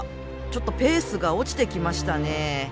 ちょっとペースが落ちてきましたね。